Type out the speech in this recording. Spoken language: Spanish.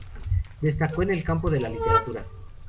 Destacó en el campo de la literatura.